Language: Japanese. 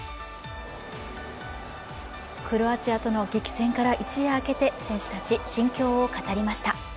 クロアチアとの激戦から一夜明けて選手たち、心境を語りました。